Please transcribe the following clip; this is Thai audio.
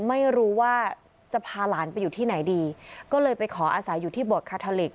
ไม่รู้ว่าจะพาหลานไปอยู่ที่ไหนดีก็เลยไปขออาศัยอยู่ที่บทคาทอลิก